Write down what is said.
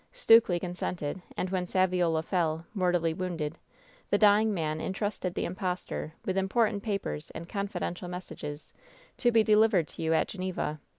Stukely consented, and when Saviola fell, mortally wounded, the dying man intrusted the impostor with im portant papers and confidential messages, to be deliv ered to you at Geneva.